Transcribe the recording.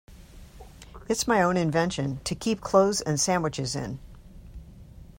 It’s my own invention—to keep clothes and sandwiches in.